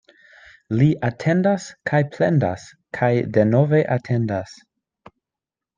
Li atendas kaj plendas kaj denove atendas.